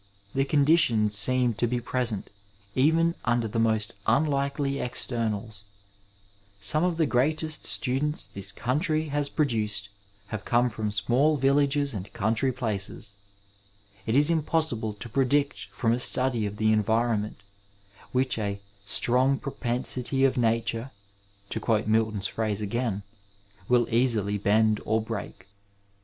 The conditions seem to be {oesent even under the most unlikely externals. Some of the greatest 421 Digitized by Google THE STUDENT LIFE students tliis country has produced have come from smaD villages and country places. It is impossible to predict from a study of the environment, which a '* strong pro pensity of nature," to quote Milton's phrase again, wiD easily bend or break.